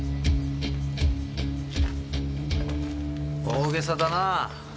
大げさだなあ。